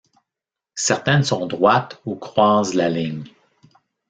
Certaines sont droites ou croisent la ligne.